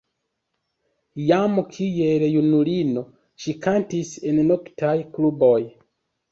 Jam kiel junulino ŝi kantis en noktaj kluboj.